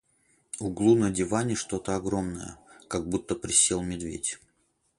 углу на диване что-то огромное, как будто присел медведь.